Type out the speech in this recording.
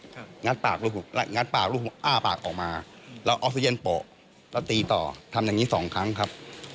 ครับงัดปากงัดปากอ้าปากออกมาแล้วแล้วตีต่อทำอย่างงี้สองครั้งครับ